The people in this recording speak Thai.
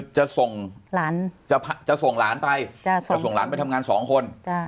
จะส่งหลานจะจะส่งหลานไปจะส่งหลานไปทำงานสองคนจ้ะ